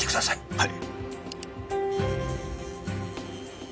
はい。